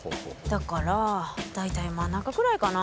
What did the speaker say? だから大体真ん中くらいかな？